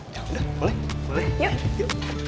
ya udah boleh boleh